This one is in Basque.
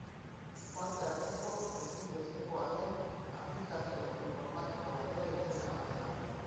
Parte hartzeko, ezinbestekoa zen aplikazio informatiko batean izena ematea.